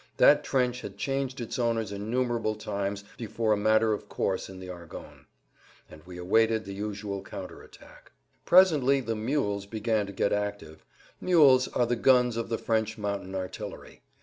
That trench had changed its owners innumerable times before, a matter of course in the Argonnes, and we awaited the usual counter attack. Presently the "mules" began to get active. "Mules" are the guns of the French mountain artillery.